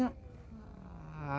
apaan sih nya